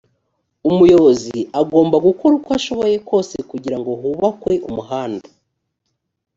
umuyobozi agomba gukora uko ashoboye kose kugirango hubakwe umuhanda